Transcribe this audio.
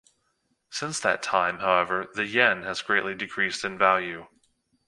Since that time, however, the yen has greatly decreased in value.